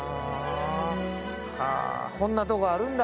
こんなところあるんだ。